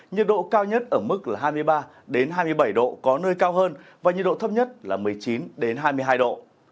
nhiệt độ cao nhất ở mức là hai mươi ba hai mươi bảy độ có nơi cao hơn và nhiệt độ thấp nhất là một mươi chín hai mươi hai độ